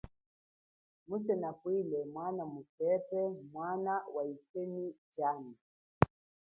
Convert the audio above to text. Muze nabwile mwana mukepe mwana wa wikha wa yisemi jami.